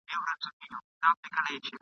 ګیدړ ژر له حیرانیه کړه خوله وازه ..